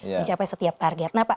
mencapai setiap target